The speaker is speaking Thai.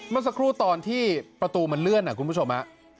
เมื่อสักครู่ตอนที่ประตูมันเลื่อนคุณผู้ชมฮะ